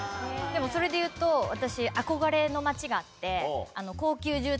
それでいうと私。